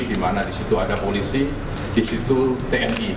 di mana di situ ada polisi di situ tni